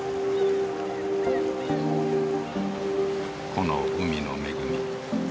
この海の恵み。